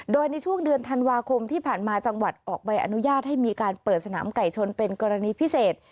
โดยในช่วงเดือนธันวาคมที่ผ่านมาจังหวัดออกใบอนุญาตให้มีการเปิดสนามไก่ชนเป็นกรณีพิเศษ